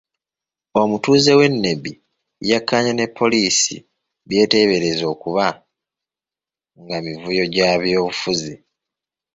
Omutuuze w'e Nebbi yakkaanya ne poliisi by'eteebereza okuba nga mivuyo gy'ebyobufuzi.